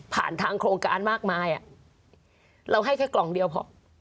ทางโครงการมากมายเราให้แค่กล่องเดียวพอ